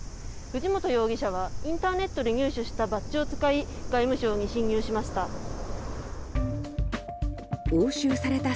藤本容疑者はインターネットで入手したバッジを使い外務省に侵入しました。